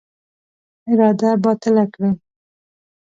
اراده باطله کړي.